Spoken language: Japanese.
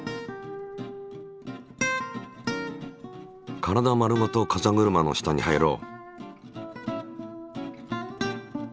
体丸ごと風車の下に入ろう。